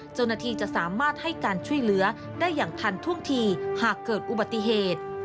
เจ้าหน้าที่จะสามารถให้การช่วยเหลือได้อย่างทันท่วงทีหากเกิดอุบัติเหตุ